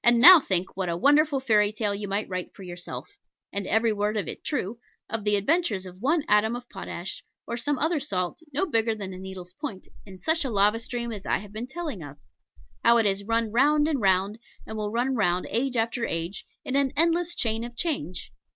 And now think what a wonderful fairy tale you might write for yourself and every word of it true of the adventures of one atom of Potash or some other Salt, no bigger than a needle's point, in such a lava stream as I have been telling of. How it has run round and round, and will run round age after age, in an endless chain of change.